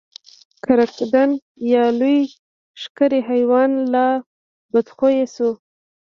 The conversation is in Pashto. کرکدن یا لوی ښکری حیوان لا بدخویه شو.